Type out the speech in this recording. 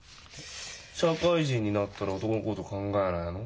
社会人になったら男のこと考えないの？